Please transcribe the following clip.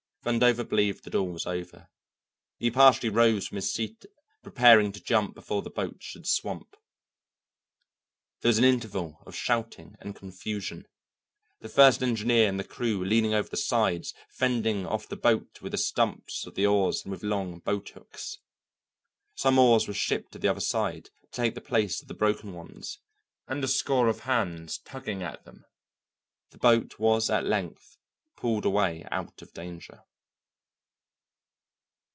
Vandover believed that all was over; he partially rose from his seat preparing to jump before the boat should swamp. There was an interval of shouting and confusion, the first engineer and the crew leaning over the sides fending off the boat with the stumps of the oars and with long boathooks. Some oars were shipped to the other side to take the place of the broken ones, and a score of hands tugging at them, the boat was at length pulled away out of danger.